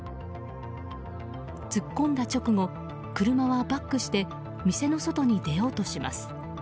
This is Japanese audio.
突っ込んだ直後、車はバックして店の外へ出ようとします。